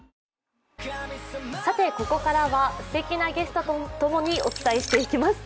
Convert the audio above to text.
ここからはすてきなゲストとともにお伝えしていきます。